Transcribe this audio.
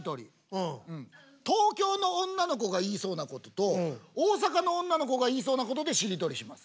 東京の女の子が言いそうなことと大阪の女の子が言いそうなことでしりとりします。